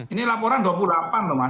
ini laporan dua puluh delapan loh mas